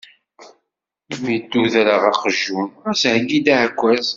Mi d-tuddreḍ aqjun, ɣas heggi-d aɛekkaz.